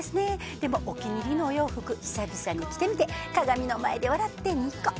でも、お気に入りのお洋服、久々に着てみて、鏡の前で笑ってにこっ。